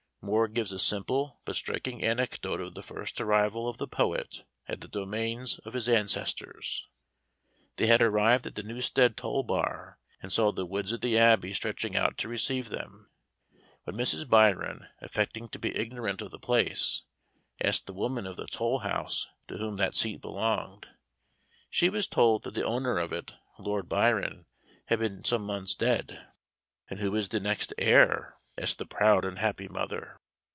Moore gives a simple but striking anecdote of the first arrival of the poet at the domains of his ancestors. They had arrived at the Newstead toll bar, and saw the woods of the Abbey stretching out to receive them, when Mrs. Byron, affecting to be ignorant of the place, asked the woman of the toll house to whom that seat belonged? She was told that the owner of it, Lord Byron, had been some months dead. "And who is the next heir?" asked the proud and happy mother.